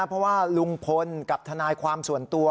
เพราะว่าลุงพลกับทนายความส่วนตัว